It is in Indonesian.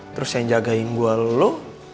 terus yang jagain gue lo